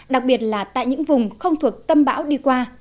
đặc biệt là tại những vùng không thuộc tâm bão đi qua